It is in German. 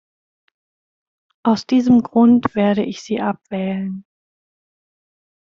Aus diesem Grund werde ich Sie abwählen.